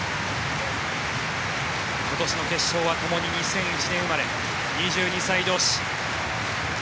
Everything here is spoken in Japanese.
今年の決勝はともに２００１年生まれ２２歳同士。